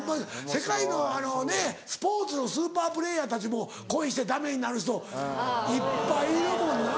世界のあのねぇスポーツのスーパープレーヤーたちも恋してダメになる人いっぱいいるもんな。